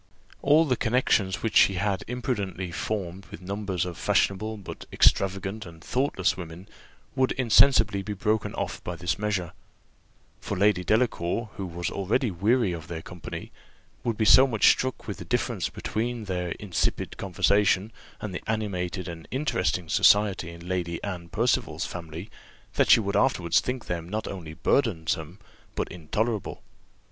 All the connexions which she had imprudently formed with numbers of fashionable but extravagant and thoughtless women would insensibly be broken off by this measure; for Lady Delacour, who was already weary of their company, would be so much struck with the difference between their insipid conversation and the animated and interesting society in Lady Anne Percival's family, that she would afterwards think them not only burdensome but intolerable.